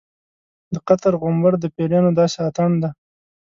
د قطر غومبر د پیریانو داسې اتڼ دی.